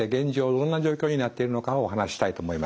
どんな状況になっているのかをお話ししたいと思います。